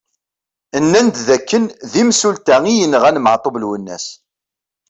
Nnan-d d akken d imsulta i yenɣan Maɛtub Lwennas.